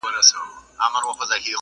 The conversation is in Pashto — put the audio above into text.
په رغېدو نده، که درد ښه شي پرهار به وي